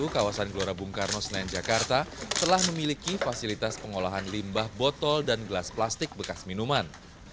kawasan gelora bung karno senayan jakarta telah memiliki fasilitas pengolahan limbah botol dan gelas plastik bekas minuman